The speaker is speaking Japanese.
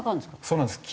そうなんです。